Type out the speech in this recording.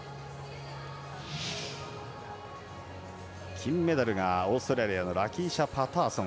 金メダルがオーストラリアのラキーシャ・パターソン。